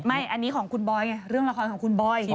อันนี้ของคุณบอยไงเรื่องละครของคุณบอย